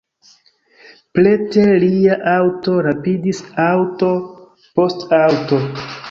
Preter lia aŭto rapidis aŭto post aŭto.